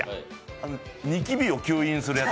にきびを吸引するやつ？